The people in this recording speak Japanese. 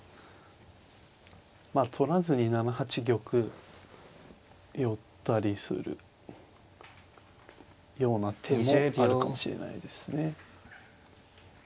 まあ取らずに７八玉寄ったりするような手もあるかもしれないですね。